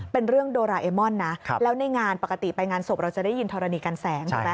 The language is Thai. เป็นเรื่องโดราเอมอนนะแล้วในงานปกติไปงานศพเราจะได้ยินธรณีกันแสงถูกไหม